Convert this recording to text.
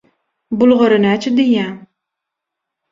– Bulgary näçe diýýäň?